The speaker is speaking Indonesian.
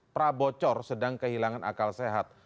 prabocor sedang kehilangan akal sehat